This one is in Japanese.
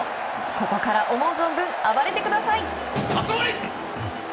ここから思う存分暴れてください。